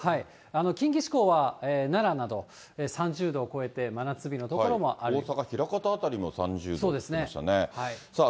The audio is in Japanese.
近畿地方は奈良など３０度を超えて真夏日の所もあります。